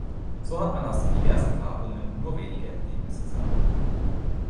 So hat man aus den diversen Grabungen nur wenige Ergebnisse sammeln können.